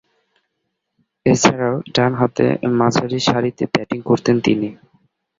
এছাড়াও, ডানহাতে মাঝারিসারিতে ব্যাটিং করতেন তিনি।